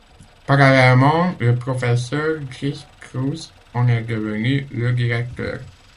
Parallèlement, le professeur Driss Khrouz en est devenu le directeur.